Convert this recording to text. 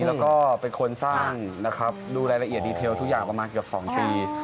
แล้วก็เป็นคนสร้างนะครับดูรายละเอียดดีเทลทุกอย่างประมาณเกือบ๒ปี